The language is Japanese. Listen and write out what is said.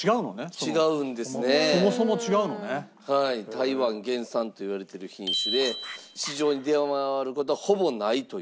台湾原産といわれてる品種で市場に出回る事はほぼないという。